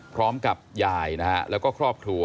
พร้อมกับยายนะฮะแล้วก็ครอบครัว